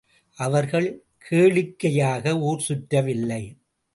அவர்கள் கேளிக்கையாக ஊர் சுற்றவில்லை.